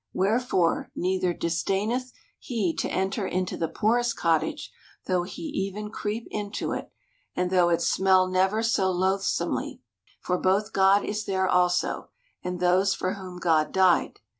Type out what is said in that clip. Wherefore, neither disdaineth he to enter into the poorest cottage, though he even creep into it, and though it smell never so loathsomely. For both God is there also, and those for whom God died.